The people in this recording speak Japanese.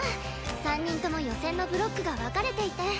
３人とも予選のブロックが分かれていて。